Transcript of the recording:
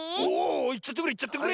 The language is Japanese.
いっちゃってくれいっちゃってくれ！